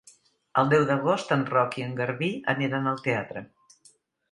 El deu d'agost en Roc i en Garbí aniran al teatre.